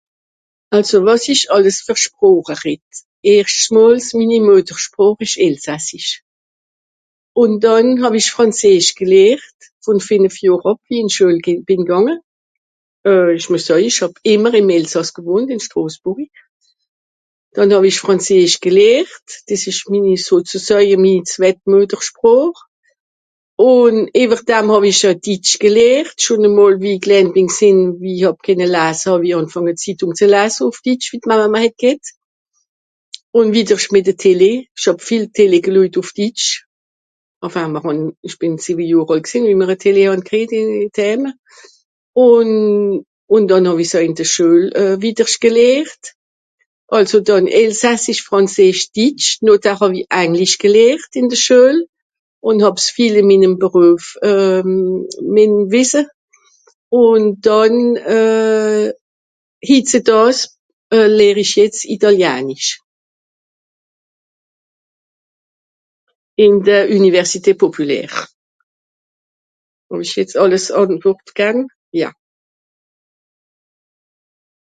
Àlso wàs ìch àlles fer Sproche redd. Erscht mols minni Müettersproch ìsch elsassisch, ùn dànn hàw-ìch frànzeesch gelehrt vùn fìnef Johr àb wie ìch ìn d'Schüel bìn gànge. Euh ìsch mües soeje ìch hàb ìmmer ìm Elsàss gewohnt ìn Strosbùrri. Dànn hàw-ich frànzeesch gelehrt, dìs ìsch minni sozesoeje minni zwèit Müettersproch, ùn ìwer dam hàw-ich oe ditsch gelehrt schùn e mol wie i klèin bìn gsìnn, wie i hàb kenne lase hàw-i àngfànge Zittùng ze lase ùff ditsch wie de Mammama het ghet. Ùn wìdderscht mìt de Télé. Ìch hàb viel Télé geluejt ùff ditsch. Enfin mr hàn... ìch bìn sìwe Johr àlt gsìnn wie mr e Télé hàn krìejt ìn... dhäm. Ùn... ùn dànn hàw-è s oei ìn de Schuel wìddersch gelehrt. Àlso dànn elsasssich frànzeesch ditsch. Nohthar hàw-ich Anglisch gelehrt ìn de Schüel . Ùn hàb's vìel ìn minnem Beruef euh... mìen wìsse. Ùn dànn hitzedààs lehr ich jetz italienisch. Ìn de Üniversité populaire. Hàw ìch jetz àlles Àntwùrt gann ? Ja.